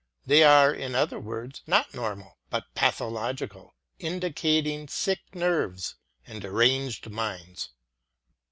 They are, in other words, not normal, but pathological, in dicating sick nerves and deranged minds.